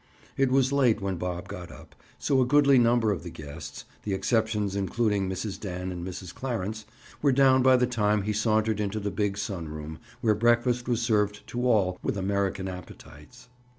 It was late when Bob got up, so a goodly number of the guests—the exceptions including Mrs. Dan and Mrs. Clarence—were down by the time he sauntered into the big sun room, where breakfast was served to all with American appetites.